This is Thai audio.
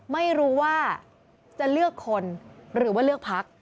ไม่รู้ว่าจะเลือกคนหรือว่าเลือกพัก